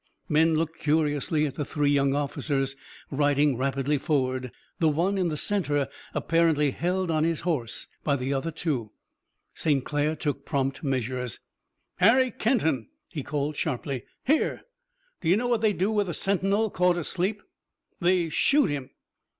Men looked curiously at the three young officers riding rapidly forward, the one in the center apparently held on his horse by the other two. St. Clair took prompt measures. "Harry Kenton!" he called sharply. "Here!" "Do you know what they do with a sentinel caught asleep?" "They shoot him!"